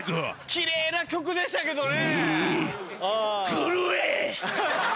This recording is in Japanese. キレな曲でしたけどね。